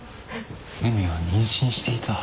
恵美は妊娠していた。